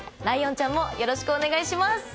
ライオンちゃんもよろしくお願いします。